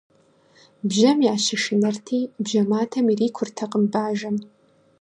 Бжьэм ящышынэрти, бжьэматэм ирикуртэкъым бажэм.